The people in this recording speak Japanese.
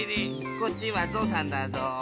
こっちはゾウさんだぞう。